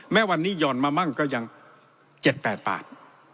แม้วันนี้ยอดมาบ้างก็ยัง๗๘บาท